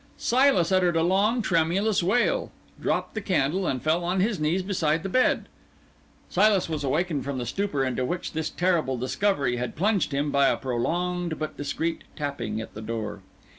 Silas uttered a long, tremulous wail, dropped the candle, and fell on his knees beside the bed. Silas was awakened from the stupor into which his terrible discovery had plunged him by a prolonged but discreet tapping at the door.